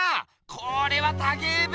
これはたけえべ！